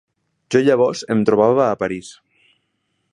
Jo llavors em trobava a París.